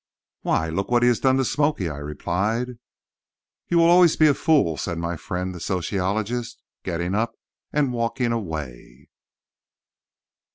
"Why, look what he has done to 'Smoky'," I replied. "You will always be a fool," said my friend, the sociologist, getting up and walking away.